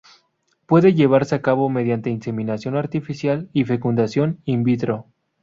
Puede llevarse a cabo mediante inseminación artificial y fecundación in vitro.